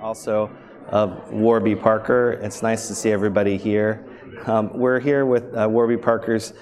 Also, Warby Parker, it's nice to see everybody here. We're here with Warby Parker's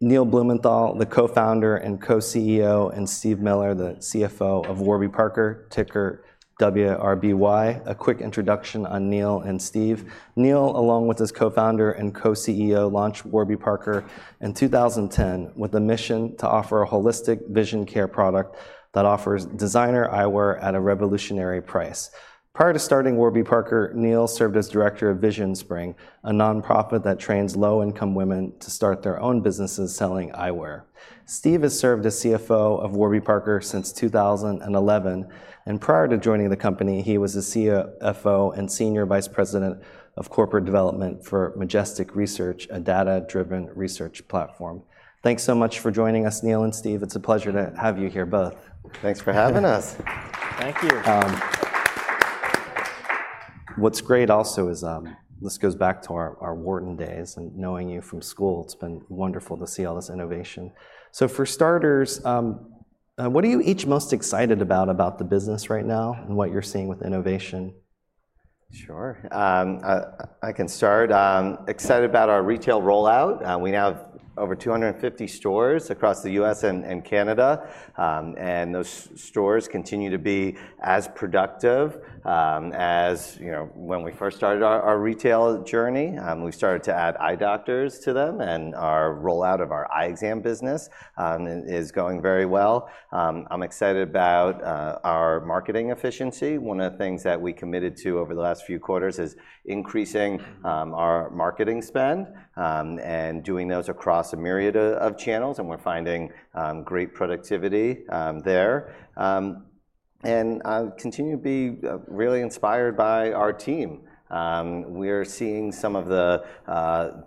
Neil Blumenthal, the Co-founder and Co-CEO, and Steve Miller, the CFO of Warby Parker, ticker WRBY. A quick introduction on Neil and Steve. Neil, along with his co-founder and Co-CEO, launched Warby Parker in 2010 with a mission to offer a holistic vision care product that offers designer eyewear at a revolutionary price. Prior to starting Warby Parker, Neil served as director of VisionSpring, a nonprofit that trains low-income women to start their own businesses selling eyewear. Steve has served as CFO of Warby Parker since 2011, and prior to joining the company, he was the CFO and senior vice president of corporate development for Majestic Research, a data-driven research platform. Thanks so much for joining us, Neil and Steve. It's a pleasure to have you here, both. Thanks for having us. Thank you. What's great also is this goes back to our Wharton days and knowing you from school. It's been wonderful to see all this innovation. So for starters, what are you each most excited about the business right now and what you're seeing with innovation? Sure. I can start. I'm excited about our retail rollout. We now have over 250 stores across the U.S. and Canada. Those stores continue to be as productive, as you know, when we first started our retail journey. We've started to add eye doctors to them, and our rollout of our eye exam business is going very well. I'm excited about our marketing efficiency. One of the things that we committed to over the last few quarters is increasing our marketing spend and doing those across a myriad of channels, and we're finding great productivity there. I continue to be really inspired by our team. We're seeing some of the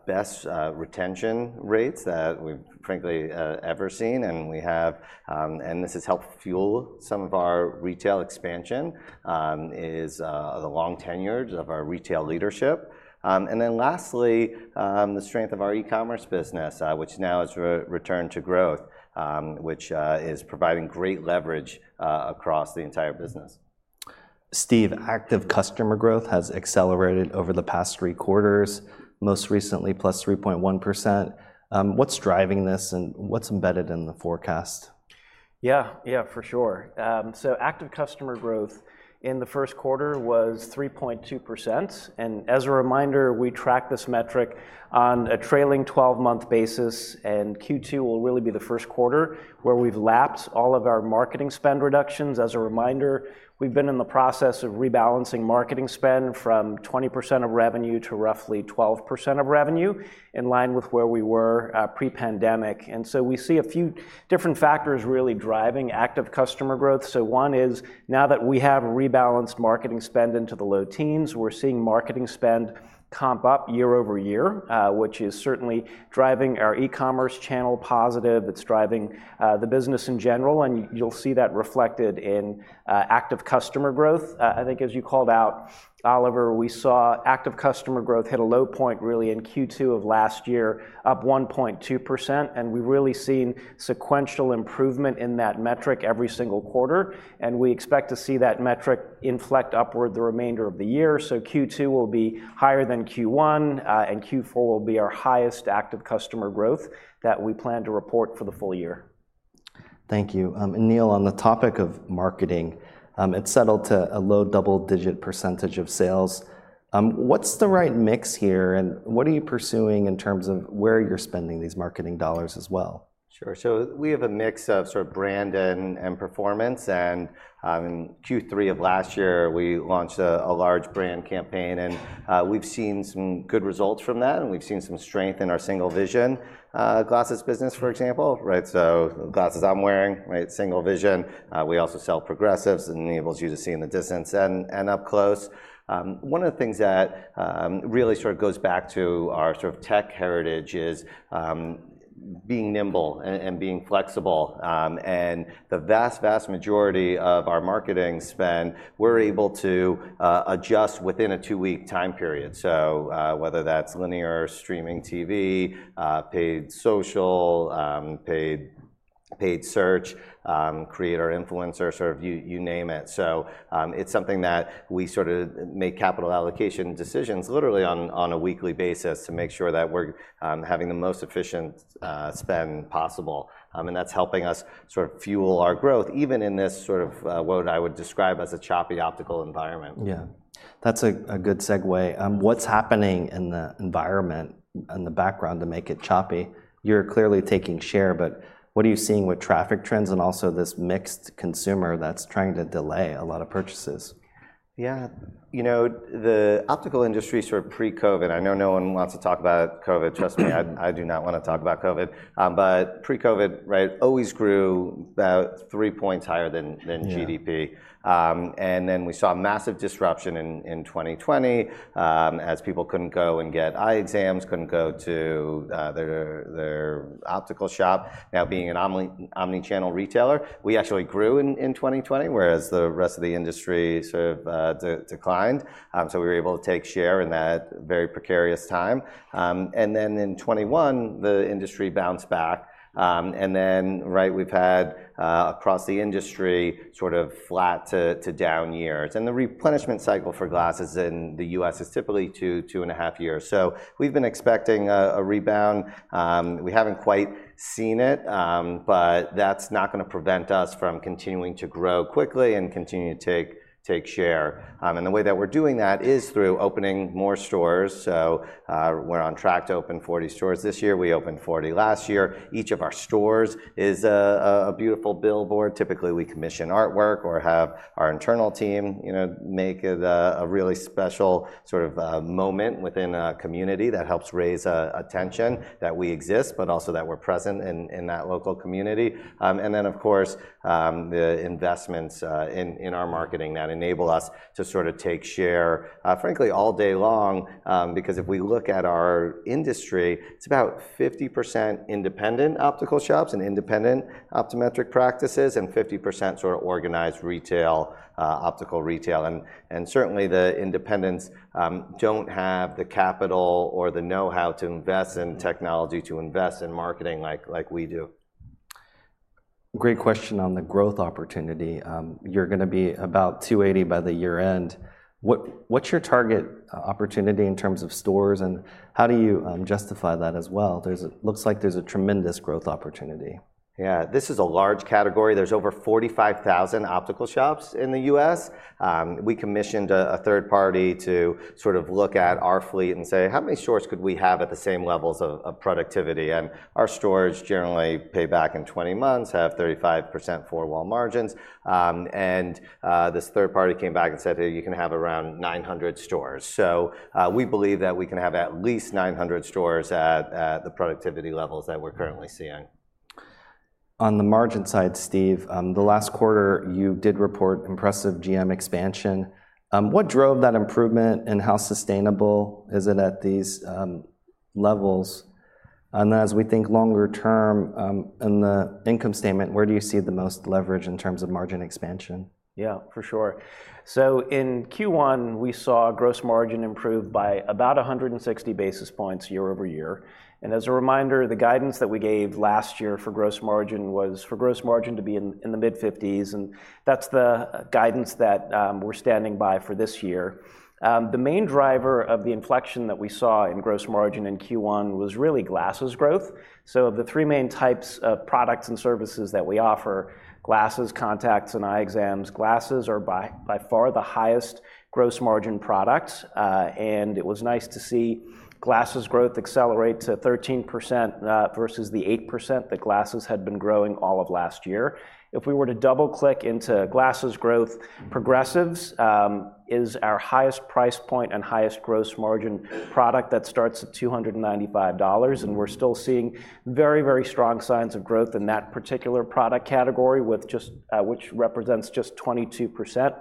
best retention rates that we've frankly ever seen, and this has helped fuel some of our retail expansion is the long tenure of our retail leadership. And then lastly, the strength of our e-commerce business, which now has returned to growth, which is providing great leverage across the entire business. Steve, active customer growth has accelerated over the past three quarters, most recently +3.1%. What's driving this, and what's embedded in the forecast? Yeah, yeah, for sure. So active customer growth in the first quarter was 3.2%, and as a reminder, we track this metric on a trailing 12-month basis, and Q2 will really be the first quarter where we've lapsed all of our marketing spend reductions. As a reminder, we've been in the process of rebalancing marketing spend from 20% of revenue to roughly 12% of revenue, in line with where we were pre-pandemic. And so we see a few different factors really driving active customer growth. So one is, now that we have rebalanced marketing spend into the low teens, we're seeing marketing spend comp up year-over-year, which is certainly driving our e-commerce channel positive. It's driving the business in general, and you'll see that reflected in active customer growth. I think as you called out, Oliver, we saw active customer growth hit a low point really in Q2 of last year, up 1.2%, and we've really seen sequential improvement in that metric every single quarter, and we expect to see that metric inflect upward the remainder of the year. So Q2 will be higher than Q1, and Q4 will be our highest active customer growth that we plan to report for the full year. Thank you. Neil, on the topic of marketing, it settled to a low double-digit percentage of sales. What's the right mix here, and what are you pursuing in terms of where you're spending these marketing dollars as well? Sure. So we have a mix of sort of brand and performance, and in Q3 of last year, we launched a large brand campaign and we've seen some good results from that, and we've seen some strength in our single-vision glasses business, for example. Right, so glasses I'm wearing, right, single-vision. We also sell progressives, enables you to see in the distance and up close. One of the things that really sort of goes back to our sort of tech heritage is being nimble and being flexible. And the vast majority of our marketing spend, we're able to adjust within a two-week time period. So whether that's linear streaming TV, paid social, paid search, creator influencer, sort of you name it. So, it's something that we sort of make capital allocation decisions literally on a weekly basis to make sure that we're having the most efficient spend possible. And that's helping us sort of fuel our growth, even in this sort of what I would describe as a choppy optical environment. Yeah. That's a good segue. What's happening in the environment in the background to make it choppy? You're clearly taking share, but what are you seeing with traffic trends and also this mixed consumer that's trying to delay a lot of purchases? Yeah, you know, the optical industry sort of pre-COVID, I know no one wants to talk about COVID. Trust me, I, I do not want to talk about COVID. But pre-COVID, right, always grew about three points higher than GDP. Yeah. And then we saw massive disruption in 2020, as people couldn't go and get eye exams, couldn't go to their optical shop. Now, being an omnichannel retailer, we actually grew in 2020, whereas the rest of the industry sort of declined. So we were able to take share in that very precarious time. And then in 2021, the industry bounced back. And then, right, we've had across the industry, sort of flat to down years, and the replenishment cycle for glasses in the U.S. is typically 2 years, 2.5 years. So we've been expecting a rebound. We haven't quite seen it, but that's not gonna prevent us from continuing to grow quickly and continue to take share. And the way that we're doing that is through opening more stores. So, we're on track to open 40 stores this year. We opened 40 last year. Each of our stores is a beautiful billboard. Typically, we commission artwork or have our internal team, you know, make it a really special sort of moment within a community that helps raise attention that we exist, but also that we're present in that local community. And then, of course, the investments in our marketing that enable us to sort of take share, frankly, all day long. Because if we look at our industry, it's about 50% independent optical shops and independent optometric practices, and 50% sort of organized retail optical retail. And certainly, the independents don't have the capital or the know-how to invest in technology- Mm-hmm. To invest in marketing like, like we do. Great question on the growth opportunity. You're gonna be about 280 by the year-end. What's your target opportunity in terms of stores, and how do you justify that as well? There's looks like there's a tremendous growth opportunity. Yeah, this is a large category. There's over 45,000 optical shops in the U.S. We commissioned a third party to sort of look at our fleet and say: How many stores could we have at the same levels of productivity? And our stores generally pay back in 20 months, have 35% four-wall margins. This third party came back and said, "Hey, you can have around 900 stores." So, we believe that we can have at least 900 stores at the productivity levels that we're currently seeing. On the margin side, Steve, the last quarter, you did report impressive GM expansion. What drove that improvement, and how sustainable is it at these levels? And as we think longer term, in the income statement, where do you see the most leverage in terms of margin expansion? Yeah, for sure. So in Q1, we saw gross margin improve by about 160 basis points year-over-year. And as a reminder, the guidance that we gave last year for gross margin was for gross margin to be in the mid-50s, and that's the guidance that we're standing by for this year. The main driver of the inflection that we saw in gross margin in Q1 was really glasses growth. So of the three main types of products and services that we offer, glasses, contacts, and eye exams, glasses are by far the highest gross margin product. And it was nice to see glasses growth accelerate to 13%, versus the 8% that glasses had been growing all of last year. If we were to double-click into glasses growth, progressives is our highest price point and highest gross margin product that starts at $295, and we're still seeing very, very strong signs of growth in that particular product category, with which represents just 22%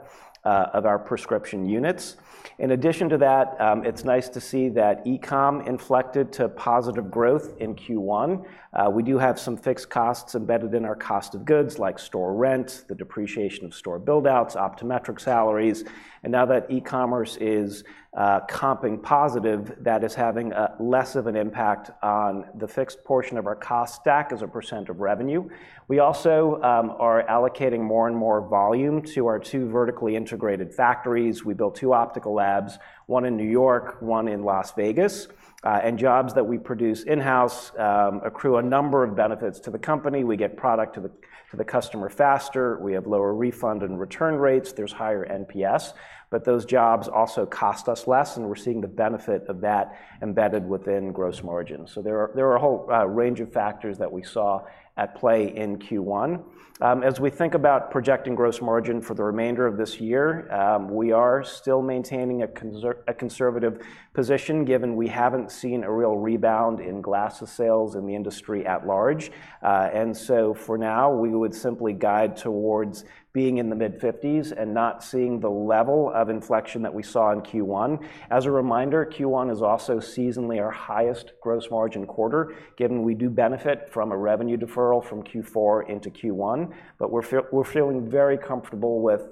of our prescription units. In addition to that, it's nice to see that e-com inflected to positive growth in Q1. We do have some fixed costs embedded in our cost of goods, like store rent, the depreciation of store build-outs, optometric salaries, and now that e-commerce is comping positive, that is having a less of an impact on the fixed portion of our cost stack as a percent of revenue. We also are allocating more and more volume to our two vertically integrated factories. We built two optical labs, one in New York, one in Las Vegas. And jobs that we produce in-house accrue a number of benefits to the company. We get product to the customer faster. We have lower refund and return rates. There's higher NPS. But those jobs also cost us less, and we're seeing the benefit of that embedded within gross margins. So there are a whole range of factors that we saw at play in Q1. As we think about projecting gross margin for the remainder of this year, we are still maintaining a conservative position, given we haven't seen a real rebound in glasses sales in the industry at large. And so for now, we would simply guide towards being in the mid-50s% and not seeing the level of inflection that we saw in Q1. As a reminder, Q1 is also seasonally our highest gross margin quarter, given we do benefit from a revenue deferral from Q4 into Q1. But we're feeling very comfortable with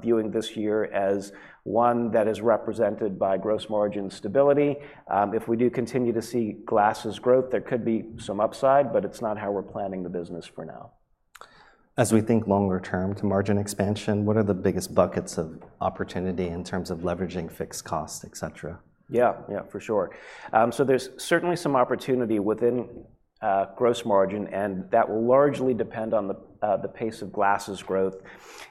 viewing this year as one that is represented by gross margin stability. If we do continue to see glasses growth, there could be some upside, but it's not how we're planning the business for now. As we think longer term to margin expansion, what are the biggest buckets of opportunity in terms of leveraging fixed cost, et cetera? Yeah. Yeah, for sure. So there's certainly some opportunity within gross margin, and that will largely depend on the pace of glasses growth.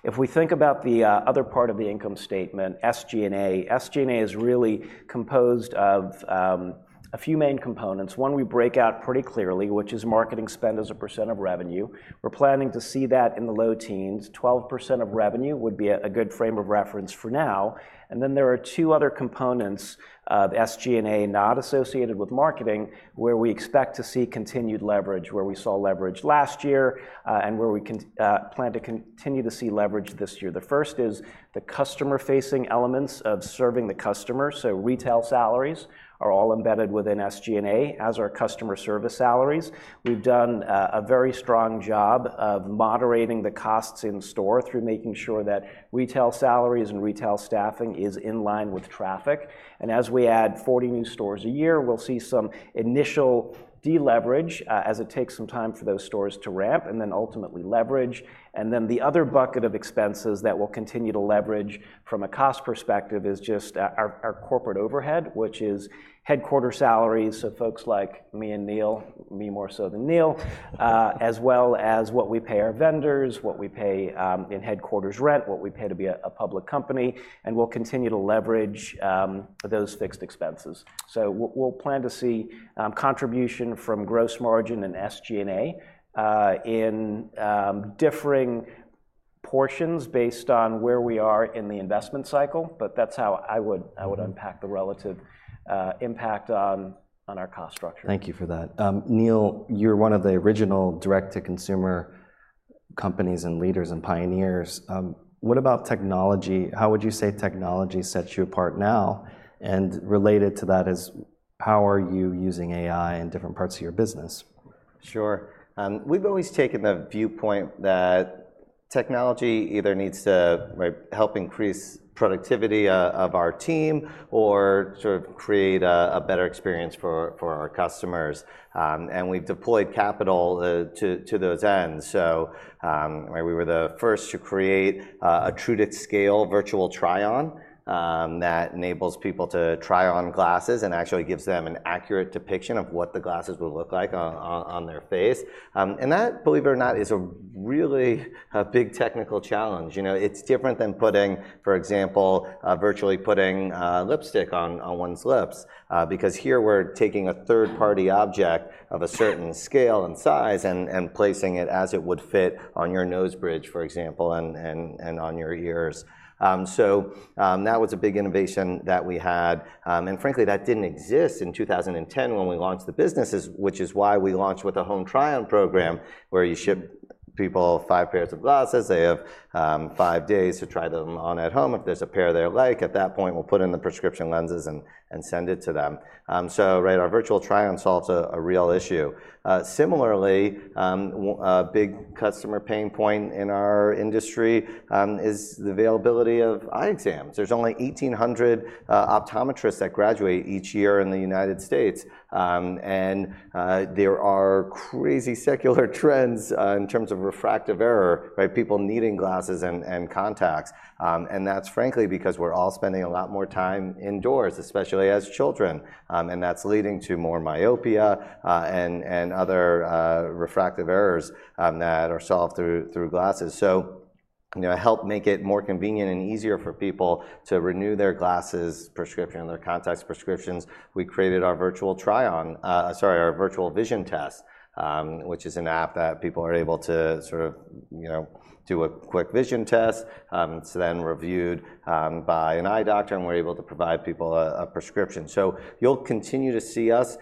If we think about the other part of the income statement, SG&A, SG&A is really composed of a few main components. One we break out pretty clearly, which is marketing spend as a percent of revenue. We're planning to see that in the low teens. 12% of revenue would be a good frame of reference for now. And then there are two other components of SG&A not associated with marketing, where we expect to see continued leverage, where we saw leverage last year, and where we plan to continue to see leverage this year. The first is the customer-facing elements of serving the customer, so retail salaries are all embedded within SG&A, as are customer service salaries. We've done a very strong job of moderating the costs in store through making sure that retail salaries and retail staffing is in line with traffic. And as we add 40 new stores a year, we'll see some initial de-leverage, as it takes some time for those stores to ramp, and then ultimately leverage. And then the other bucket of expenses that we'll continue to leverage from a cost perspective is just our corporate overhead, which is headquarter salaries, so folks like me and Neil, me more so than Neil, as well as what we pay our vendors, what we pay in headquarters rent, what we pay to be a public company, and we'll continue to leverage those fixed expenses. So we'll plan to see contribution from gross margin and SG&A in differing portions based on where we are in the investment cycle, but that's how I would unpack the relative impact on our cost structure. Thank you for that. Neil, you're one of the original direct-to-consumer companies, and leaders, and pioneers. What about technology—how would you say technology sets you apart now? And related to that is, how are you using AI in different parts of your business? Sure. We've always taken the viewpoint that technology either needs to, right, help increase productivity of our team or to create a better experience for our customers. And we've deployed capital to those ends. So, right, we were the first to create a true-to-scale virtual try-on that enables people to try on glasses and actually gives them an accurate depiction of what the glasses would look like on their face. And that, believe it or not, is really a big technical challenge. You know, it's different than putting, for example, virtually putting lipstick on one's lips. Because here we're taking a third-party object of a certain scale and size and placing it as it would fit on your nose bridge, for example, and on your ears. So, that was a big innovation that we had. And frankly, that didn't exist in 2010 when we launched the business, which is why we launched with a home try-on program, where you ship people five pairs of glasses. They have five days to try them on at home. If there's a pair they like, at that point, we'll put in the prescription lenses and send it to them. So right, our virtual try-on solves a real issue. Similarly, a big customer pain point in our industry is the availability of eye exams. There's only 1,800 optometrists that graduate each year in the United States. And there are crazy secular trends in terms of refractive error, right? People needing glasses and contacts. And that's frankly because we're all spending a lot more time indoors, especially as children. And that's leading to more myopia, and other refractive errors that are solved through glasses. So, you know, to help make it more convenient and easier for people to renew their glasses prescription and their contacts prescriptions, we created our virtual vision test, which is an app that people are able to sort of, you know, do a quick vision test. It's then reviewed by an eye doctor, and we're able to provide people a prescription. So you'll continue to see us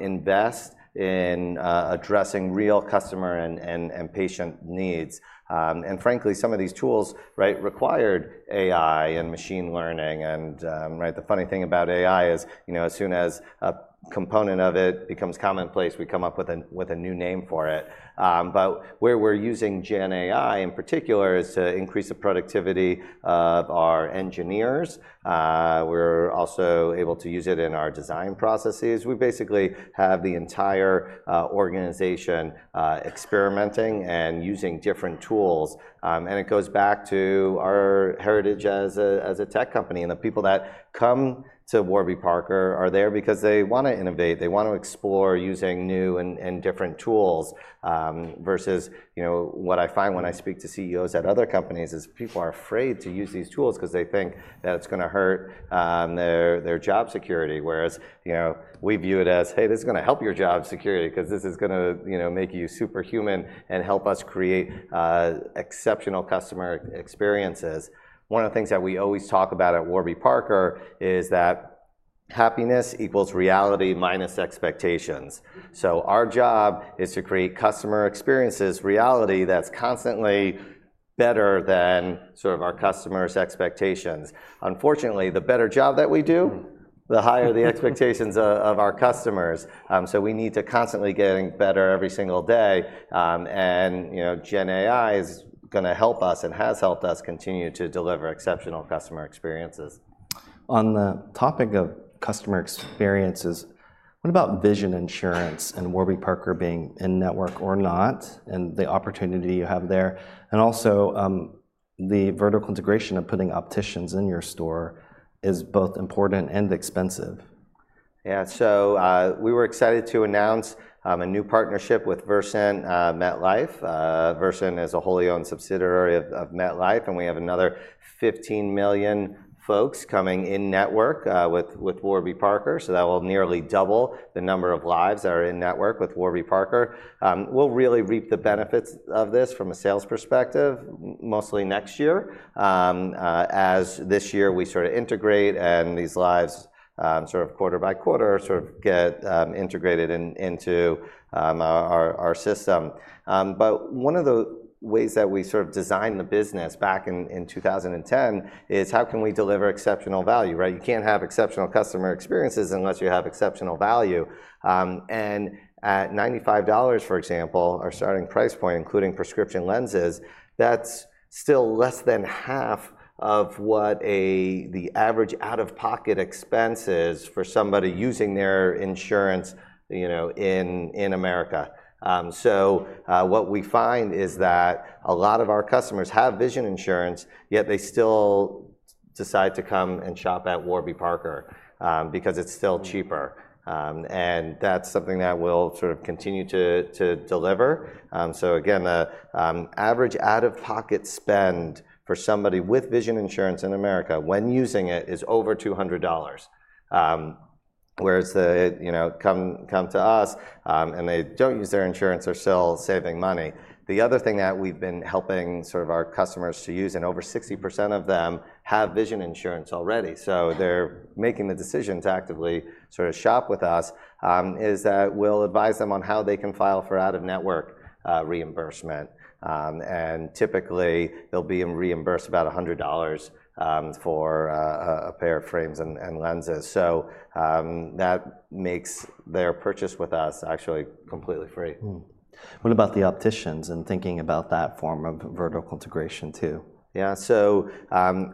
invest in addressing real customer and patient needs. And frankly, some of these tools, right, required AI and machine learning and, right? The funny thing about AI is, you know, as soon as a component of it becomes commonplace, we come up with a new name for it. But where we're using Gen AI, in particular, is to increase the productivity of our engineers. We're also able to use it in our design processes. We basically have the entire organization experimenting and using different tools. And it goes back to our heritage as a tech company, and the people that come to Warby Parker are there because they wanna innovate, they want to explore using new and different tools. Versus, you know, what I find when I speak to CEOs at other companies is people are afraid to use these tools 'cause they think that it's gonna hurt their job security. Whereas, you know, we view it as, "Hey, this is gonna help your job security, 'cause this is gonna, you know, make you superhuman and help us create exceptional customer experiences." One of the things that we always talk about at Warby Parker is that happiness equals reality minus expectations. So our job is to create customer experiences, reality that's constantly better than sort of our customers' expectations. Unfortunately, the better job that we do- Hmm. The higher the expectations of our customers. So we need to constantly getting better every single day. And, you know, Gen AI is gonna help us and has helped us continue to deliver exceptional customer experiences. On the topic of customer experiences, what about vision insurance and Warby Parker being in-network or not, and the opportunity you have there? And also, the vertical integration of putting opticians in your store is both important and expensive. Yeah. So we were excited to announce a new partnership with Versant, MetLife. Versant is a wholly owned subsidiary of MetLife, and we have another 15 million folks coming in-network with Warby Parker. So that will nearly double the number of lives that are in-network with Warby Parker. We'll really reap the benefits of this from a sales perspective mostly next year, as this year we sort of integrate, and these lives sort of quarter by quarter get integrated into our system. But one of the ways that we sort of designed the business back in 2010 is, how can we deliver exceptional value, right? You can't have exceptional customer experiences unless you have exceptional value. At $95, for example, our starting price point, including prescription lenses, that's still less than half of what the average out-of-pocket expense is for somebody using their insurance, you know, in America. What we find is that a lot of our customers have vision insurance, yet they still decide to come and shop at Warby Parker, because it's still cheaper. Mm. And that's something that we'll sort of continue to deliver. So again, the average out-of-pocket spend for somebody with vision insurance in America when using it is over $200. Whereas, you know, come to us, and they don't use their insurance, they're still saving money. The other thing that we've been helping sort of our customers to use, and over 60% of them have vision insurance already, so they're making the decisions to actively sort of shop with us, is that we'll advise them on how they can file for out-of-network reimbursement. And typically, they'll be reimbursed about $100 for a pair of frames and lenses. So that makes their purchase with us actually completely free. What about the opticians and thinking about that form of vertical integration, too? Yeah. So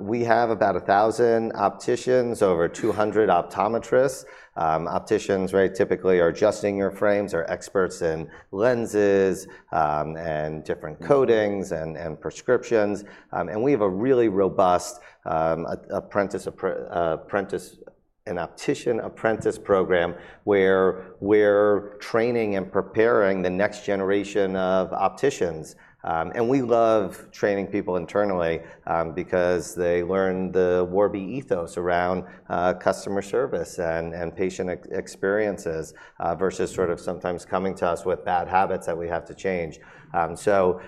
we have about 1,000 opticians, over 200 optometrists. Opticians, right, typically are adjusting your frames, are experts in lenses, and different coatings. Mm. And prescriptions. And we have a really robust optician apprentice program, where we're training and preparing the next generation of opticians. And we love training people internally, because they learn the Warby ethos around customer service and patient experiences, versus sort of sometimes coming to us with bad habits that we have to change. So,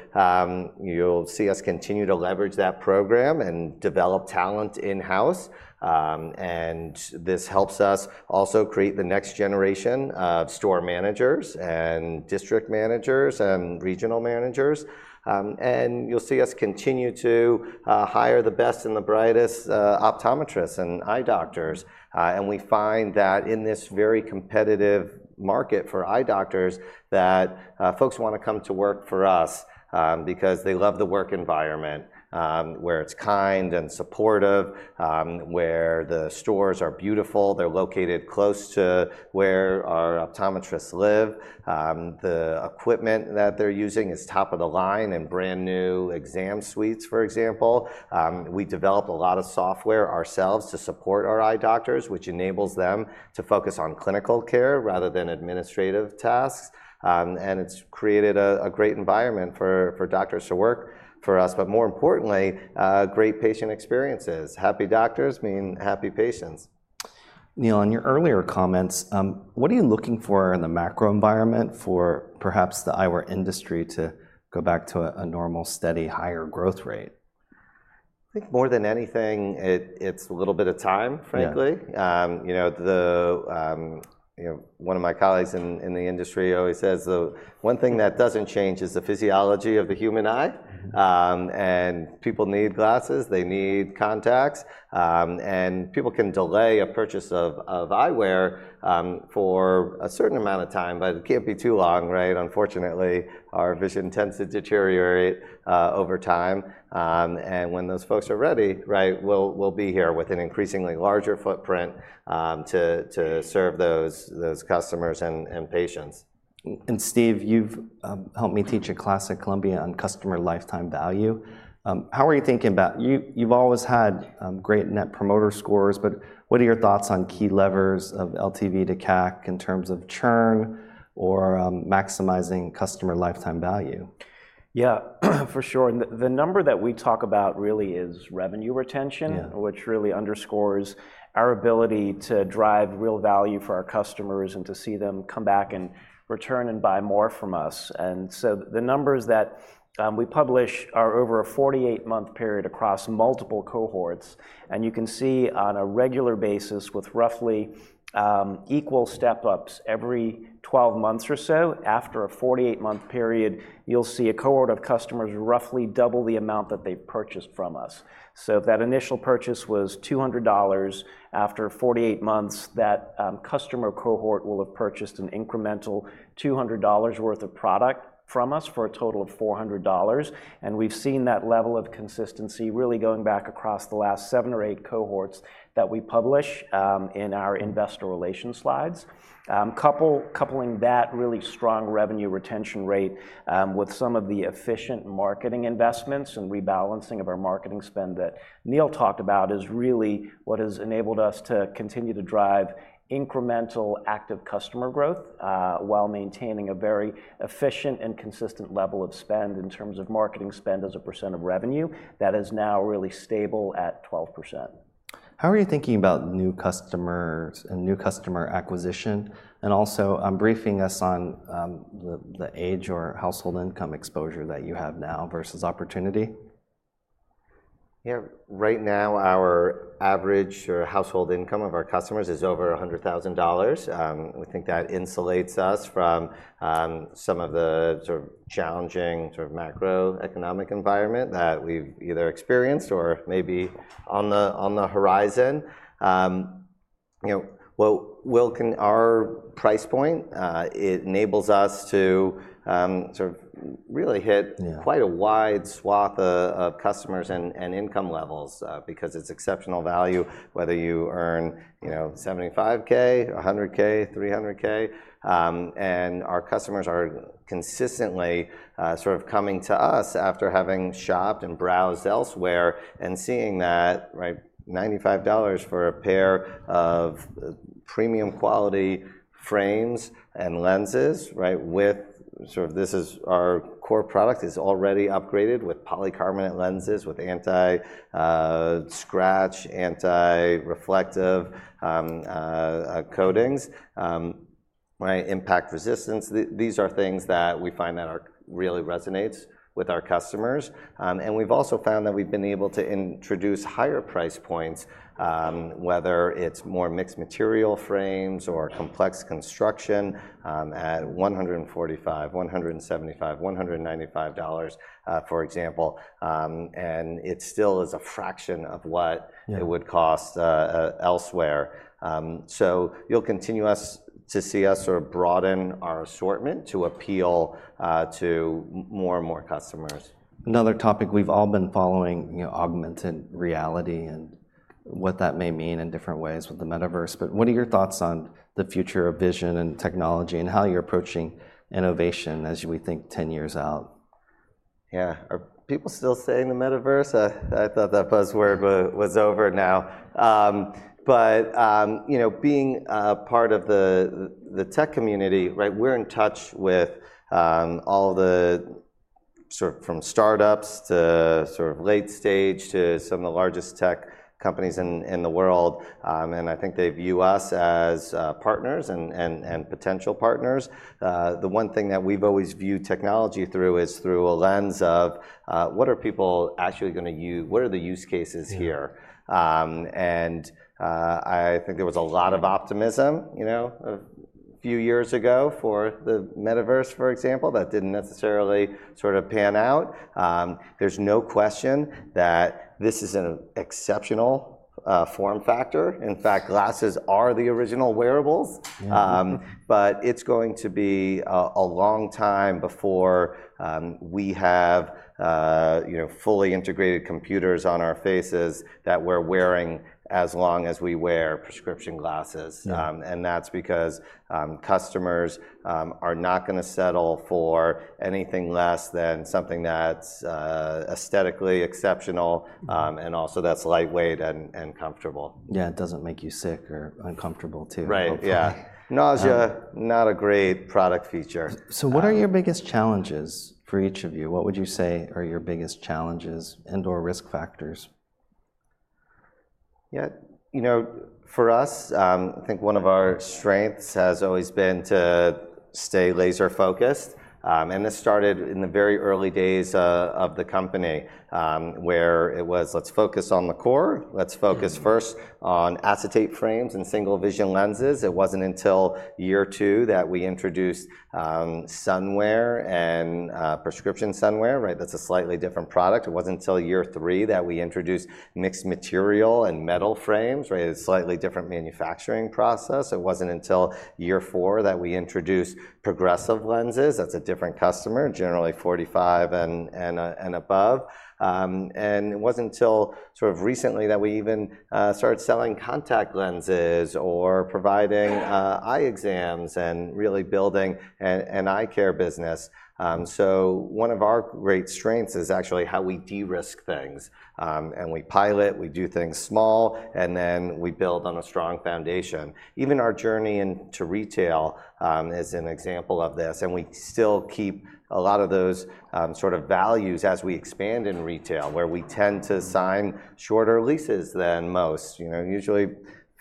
you'll see us continue to leverage that program and develop talent in-house. And this helps us also create the next generation of store managers and district managers and regional managers. And you'll see us continue to hire the best and the brightest optometrists and eye doctors. And we find that in this very competitive market for eye doctors, that folks wanna come to work for us, because they love the work environment, where it's kind and supportive, where the stores are beautiful. They're located close to where our optometrists live. The equipment that they're using is top-of-the-line and brand-new exam suites, for example. We develop a lot of software ourselves to support our eye doctors, which enables them to focus on clinical care rather than administrative tasks. And it's created a great environment for doctors to work for us, but more importantly, great patient experiences. Happy doctors mean happy patients. Neil, in your earlier comments, what are you looking for in the macro environment for perhaps the eyewear industry to go back to a normal, steady, higher growth rate? I think more than anything, it's a little bit of time, frankly. Yeah. You know, one of my colleagues in the industry always says the one thing that doesn't change is the physiology of the human eye. And people need glasses. They need contacts. And people can delay a purchase of eyewear for a certain amount of time, but it can't be too long, right? Unfortunately, our vision tends to deteriorate over time. And when those folks are ready, right, we'll be here with an increasingly larger footprint to serve those customers and patients. Steve, you've helped me teach a class at Columbia on customer lifetime value. How are you thinking about—you've always had great net promoter scores, but what are your thoughts on key levers of LTV to CAC in terms of churn or, maximizing customer lifetime value? Yeah, for sure, and the number that we talk about really is revenue retention. Yeah. Which really underscores our ability to drive real value for our customers and to see them come back and return and buy more from us. And so the numbers that we publish are over a 48-month period across multiple cohorts, and you can see on a regular basis, with roughly equal step-ups every 12 months or so, after a 48-month period, you'll see a cohort of customers roughly double the amount that they've purchased from us. So if that initial purchase was $200, after 48 months, that customer cohort will have purchased an incremental $200 worth of product from us for a total of $400, and we've seen that level of consistency really going back across the last seven or eight cohorts that we publish in our investor relations slides. Coupling that really strong revenue retention rate, with some of the efficient marketing investments and rebalancing of our marketing spend that Neil talked about, is really what has enabled us to continue to drive incremental active customer growth, while maintaining a very efficient and consistent level of spend in terms of marketing spend as a percent of revenue. That is now really stable at 12%. How are you thinking about new customers and new customer acquisition? And also, briefing us on the age or household income exposure that you have now versus opportunity. Yeah. Right now, our average or household income of our customers is over $100,000. We think that insulates us from some of the sort of challenging sort of macroeconomic environment that we've either experienced or maybe on the, on the horizon. You know, our price point, it enables us to sort of really hit- Yeah. Quite a wide swath of customers and income levels, because it's exceptional value, whether you earn, you know, $75,000, $100,000, $300,000. And our customers are consistently sort of coming to us after having shopped and browsed elsewhere and seeing that, right, $95 for a pair of premium quality frames and lenses, right, with sort of this is our core product, is already upgraded with polycarbonate lenses, with anti-scratch, anti-reflective coatings, right, impact resistance. These are things that we find that are really resonates with our customers. And we've also found that we've been able to introduce higher price points, whether it's more mixed material frames or complex construction, at $145, $175, $195, for example. And it still is a fraction of what- Yeah. It would cost elsewhere. So you'll continue to see us sort of broaden our assortment to appeal to more and more customers. Another topic we've all been following, you know, augmented reality and what that may mean in different ways with the metaverse. But what are your thoughts on the future of vision and technology, and how you're approaching innovation as we think 10 years out? Yeah. Are people still saying the metaverse? I thought that buzzword was over now. But you know, being part of the tech community, right, we're in touch with all the sort of from startups to sort of late stage to some of the largest tech companies in the world. And I think they view us as partners and potential partners. The one thing that we've always viewed technology through is through a lens of what are people actually gonna use—what are the use cases here? Mm. And I think there was a lot of optimism, you know, a few years ago for the metaverse, for example, that didn't necessarily sort of pan out. There's no question that this is an exceptional form factor. Yes. In fact, glasses are the original wearables. Mm-hmm. But it's going to be a long time before we have, you know, fully integrated computers on our faces that we're wearing as long as we wear prescription glasses. Yeah. That's because customers are not gonna settle for anything less than something that's aesthetically exceptional- Mm-hmm And also that's lightweight and comfortable. Yeah. It doesn't make you sick or uncomfortable, too. Right, yeah. Hopefully. Nausea, not a great product feature. What are your biggest challenges for each of you? What would you say are your biggest challenges and or risk factors? Yeah. You know, for us, I think one of our strengths has always been to stay laser-focused. This started in the very early days of the company, where it was, "Let's focus on the core. Let's focus first- Mm. On acetate frames and single-vision lenses." It wasn't until Year 2 that we introduced sunwear and prescription sunwear, right? That's a slightly different product. It wasn't until Year 3 that we introduced mixed material and metal frames, right, a slightly different manufacturing process. It wasn't until Year 4 that we introduced progressive lenses. That's a different customer, generally 45 and above. And it wasn't until sort of recently that we even started selling contact lenses or providing eye exams and really building an eye care business. So one of our great strengths is actually how we de-risk things. And we pilot, we do things small, and then we build on a strong foundation. Even our journey into retail is an example of this, and we still keep a lot of those sort of values as we expand in retail, where we tend to sign shorter leases than most. You know, usually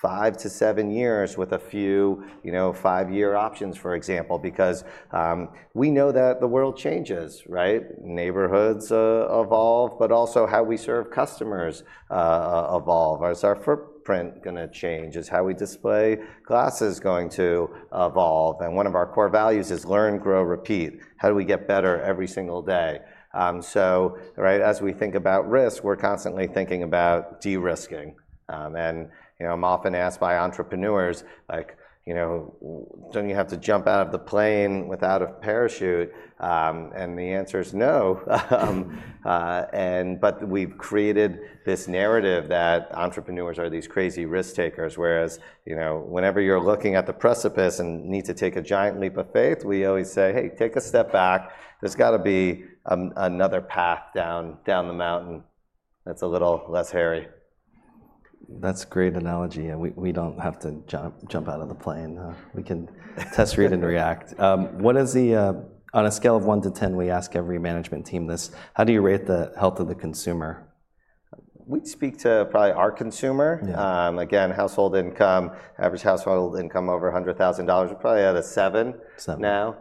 5-7 years with a few, you know, five-year options, for example, because we know that the world changes, right? Neighborhoods evolve, but also how we serve customers evolve. Is our footprint gonna change? Is how we display glasses going to evolve? And one of our core values is learn, grow, repeat. How do we get better every single day? So right as we think about risk, we're constantly thinking about de-risking. And, you know, I'm often asked by entrepreneurs, like, you know, "Don't you have to jump out of the plane without a parachute?" And the answer is no. But we've created this narrative that entrepreneurs are these crazy risk-takers, whereas, you know, whenever you're looking at the precipice and need to take a giant leap of faith, we always say, "Hey, take a step back. There's got to be another path down the mountain that's a little less hairy. That's a great analogy, and we don't have to jump out of the plane. We can test, read and react. What is the... On a scale of one to 10, we ask every management team this: How do you rate the health of the consumer? We speak to probably our consumer. Yeah. Again, household income, average household income over $100,000. We're probably at a seven- Seven. Now.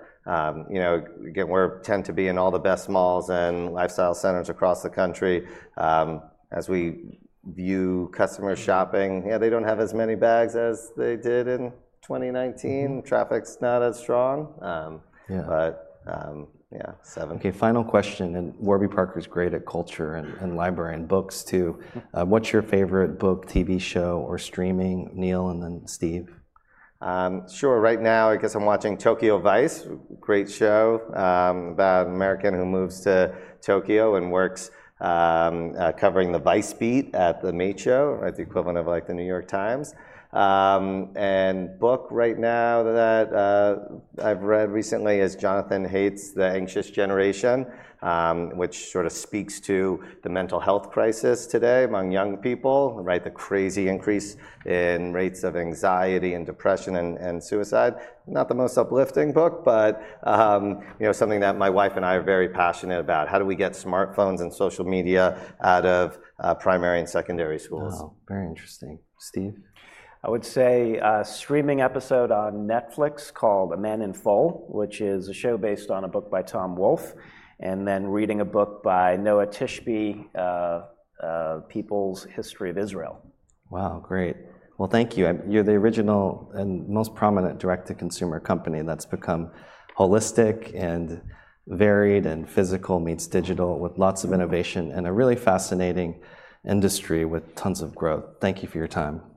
You know, again, we tend to be in all the best malls and lifestyle centers across the country. As we view customer shopping, yeah, they don't have as many bags as they did in 2019. Traffic's not as strong. Yeah. But, yeah, seven. Okay, final question, and Warby Parker's great at culture and library and books, too. Mm-hmm. What's your favorite book, TV show, or streaming, Neil, and then Steve? Sure. Right now, I guess I'm watching Tokyo Vice, great show about an American who moves to Tokyo and works covering the vice beat at the Meicho, at the equivalent of, like, the New York Times. And book right now that I've read recently is Jonathan Haidt's The Anxious Generation, which sort of speaks to the mental health crisis today among young people, right? The crazy increase in rates of anxiety and depression and suicide. Not the most uplifting book, but you know, something that my wife and I are very passionate about. How do we get smartphones and social media out of primary and secondary schools? Wow, very interesting. Steve? I would say a streaming episode on Netflix called A Man in Full, which is a show based on a book by Tom Wolfe, and then reading a book by Noa Tishby, People's History of Israel. Wow, great. Well, thank you. You're the original and most prominent direct-to-consumer company that's become holistic and varied and physical meets digital with lots of innovation, and a really fascinating industry with tons of growth. Thank you for your time.